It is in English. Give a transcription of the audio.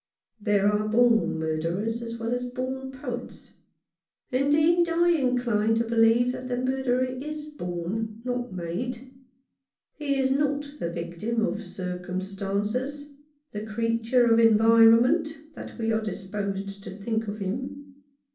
There are born murderers as well as born poets ; indeed, I incline to believe that the murderer is born, not made. He is not the victim of circumstances, the creature 114 John Faunce's Experiences. No. 29. of environment, that we are disposed to think him.